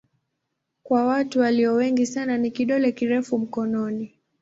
Kwa watu walio wengi sana ni kidole kirefu mkononi.